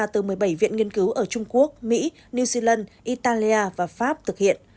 từ một mươi bảy viện nghiên cứu ở trung quốc mỹ new zealand italia và pháp thực hiện